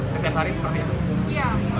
setiap hari seperti itu